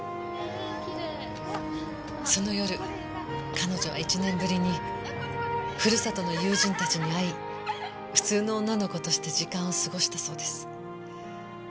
その夜彼女は１年ぶりにふるさとの友人たちに会い普通の女の子として時間を過ごしたそうです。